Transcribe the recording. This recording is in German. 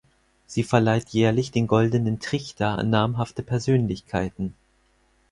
Sie verleiht jährlich den Goldenen Trichter an namhafte Persönlichkeiten.